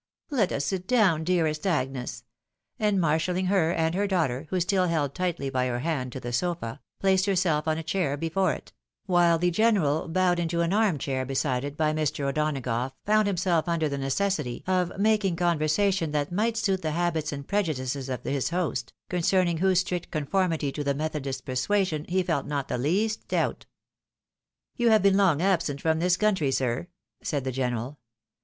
" Let us sit down, dearest Agnes ;" and marshalling her and her daughter, who still held tightly by her hand, to the sofa, placed herself on a chair before it; while the general, bowed into an arm chair beside it by Mr. O'Dona gough, found himself under the necessity of making conversation that might suit the habits and prejudices of his host, concerning whose strict conformity to the methodist persuasion, he felt not the least doubt. " You have been long absent from this country, sir? " said the general.